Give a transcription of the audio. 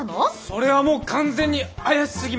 それはもう完全に怪しすぎます！